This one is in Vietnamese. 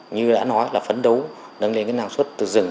như đã nói là phấn đấu nâng lên năng suất từ rừng